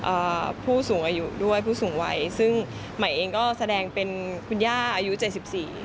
ผู้สูงอายุด้วยผู้สูงวัยซึ่งใหม่เองก็แสดงเป็นคุณย่าอายุเจ็ดสิบสี่